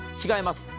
違います。